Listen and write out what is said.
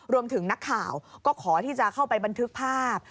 รวมถึงนักข่าวก็ขอที่จะเข้าไปบันทึกภาพ